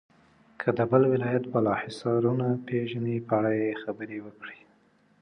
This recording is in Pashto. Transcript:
که د بل ولایت بالا حصارونه پیژنئ په اړه یې خبرې وکړئ.